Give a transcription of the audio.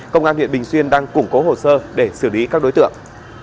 công an huyện bình xuyên đang củng cố hồ sơ để xử lý các đối tượng